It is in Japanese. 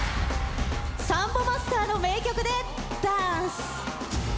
サンボマスターの名曲でＤＡＮＣＥ！